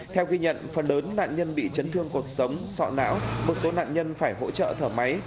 theo ghi nhận phần lớn nạn nhân bị chấn thương cuộc sống sọ não một số nạn nhân phải hỗ trợ thở máy